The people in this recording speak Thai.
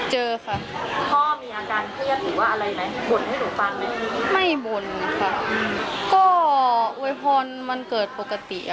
หรือก็อวยพรวันเกิดมันเกิดปกติค่ะ